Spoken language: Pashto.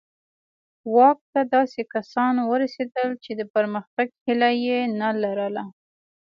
واک ته داسې کسان ورسېدل چې د پرمختګ هیله یې نه لرله.